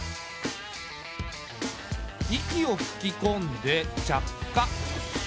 息を吹き込んで着火。